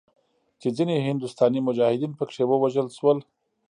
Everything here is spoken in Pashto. چې ځینې هندوستاني مجاهدین پکښې ووژل شول.